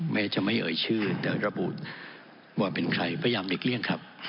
ไม่จะไม่เอ่ยชื่อแต่ระบุว่าเป็นใครพยายามหลีกเลี่ยงครับ